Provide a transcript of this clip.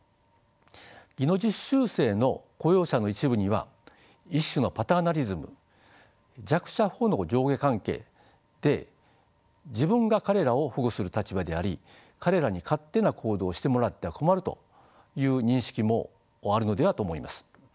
技能実習生の雇用者の一部には一種のパターナリズム弱者保護の上下関係で自分が彼らを保護する立場であり彼らに勝手な行動をしてもらっては困るという認識もあるのではと思います。